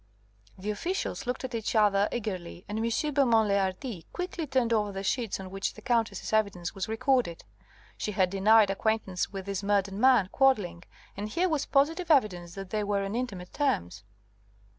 The officials looked at each other eagerly, and M. Beaumont le Hardi quickly turned over the sheets on which the Countess's evidence was recorded. She had denied acquaintance with this murdered man, Quadling, and here was positive evidence that they were on intimate terms!